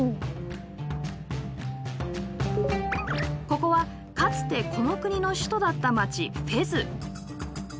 ここはかつてこの国の首都だった街フェズ。